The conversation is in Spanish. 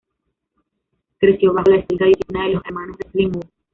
Creció bajo la estricta disciplina de los Hermanos de Plymouth.